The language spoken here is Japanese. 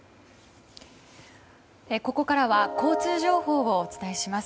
ここからは交通情報をお伝えします。